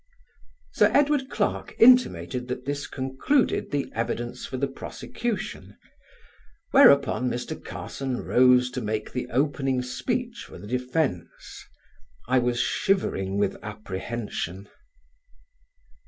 Sir Edward Clarke intimated that this concluded the evidence for the prosecution, whereupon Mr. Carson rose to make the opening speech for the defence. I was shivering with apprehension.